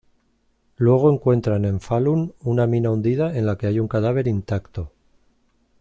Luego encuentran en Falun una mina hundida en la que hay un cadáver intacto.